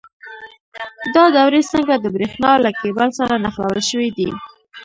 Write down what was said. دا دورې څنګه د برېښنا له کیبل سره نښلول شوي دي؟